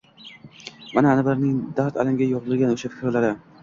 Mana, Anvarning dard-alamga yo’g’rilgan o’sha fikrlari: